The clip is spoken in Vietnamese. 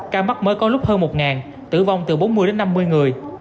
ca mắc mới có lúc hơn một tử vong từ bốn mươi đến năm mươi người